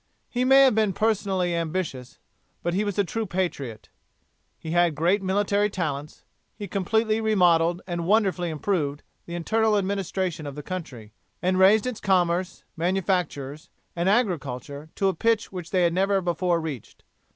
He may have been personally ambitious, but he was a true patriot. He had great military talents. He completely remodelled and wonderfully improved the internal administration of the country, and raised its commerce, manufactures, and agriculture to a pitch which they had never before reached.